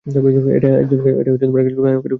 এটা একজন গায়কের উক্তি।